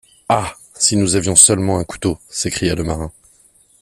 Ah! si nous avions seulement un couteau ! s’écria le marin.